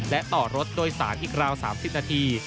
และต่อรถโดยสารอีกราว๓๐นาที